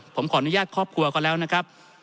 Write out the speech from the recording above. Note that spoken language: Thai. ผมขออนุญาตครอบครัวก็แล้วนะครับ